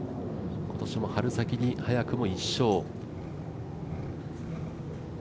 今年も春先に早くも１勝。